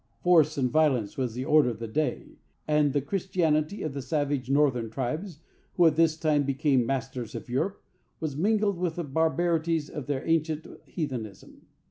Force and violence was the order of the day, and the Christianity of the savage northern tribes, who at this time became masters of Europe, was mingled with the barbarities of their ancient heathenism.